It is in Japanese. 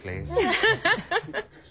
ハハハハハ。